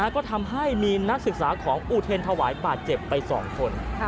ก็ทำให้มีนักศึกษาของอุเทรนถวายบาดเจ็บไป๒คน